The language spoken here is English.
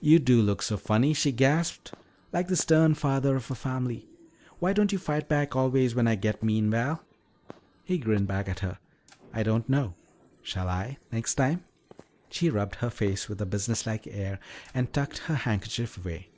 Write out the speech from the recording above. "You do look so funny," she gasped, "like the stern father of a family. Why don't you fight back always when I get mean, Val?" He grinned back at her. "I don't know. Shall I, next time?" She rubbed her face with a businesslike air and tucked her handkerchief away.